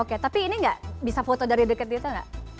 oke tapi ini gak bisa foto dari deket itu gak